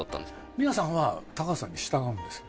宮さんは、高畑さんに従うんですよ。